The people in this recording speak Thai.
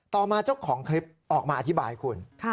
ต่อมาเจ้าของคลิปออกมาอธิบายคุณ